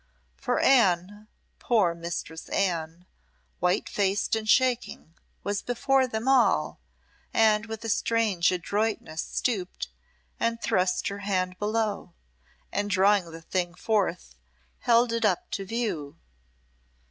For Anne poor Mistress Anne white faced and shaking, was before them all, and with a strange adroitness stooped, and thrust her hand below, and drawing the thing forth, held it up to view.